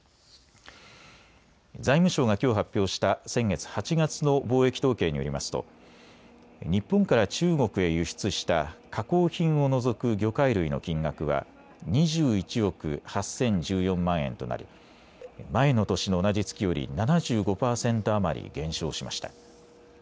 財務省がきょう発表した先月８月の貿易統計によりますと日本から中国へ輸出した加工品を除く魚介類の金額は２１億８０１４万円となり前の年の同じ月より７５％余り減少しました。